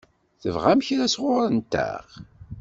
Tebɣam kra sɣur-nteɣ?